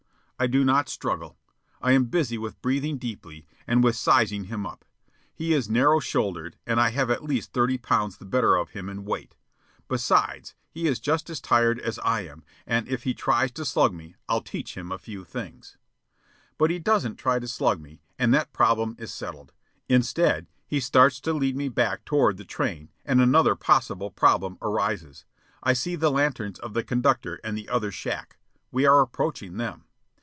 I do not struggle. I am busy with breathing deeply and with sizing him up. He is narrow shouldered, and I have at least thirty pounds the better of him in weight. Besides, he is just as tired as I am, and if he tries to slug me, I'll teach him a few things. But he doesn't try to slug me, and that problem is settled. Instead, he starts to lead me back toward the train, and another possible problem arises. I see the lanterns of the conductor and the other shack. We are approaching them.